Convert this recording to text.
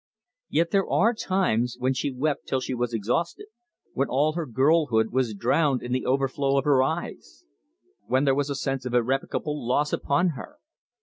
Yet there were times when she wept till she was exhausted; when all her girlhood was drowned in the overflow of her eyes; when there was a sense of irrevocable loss upon her.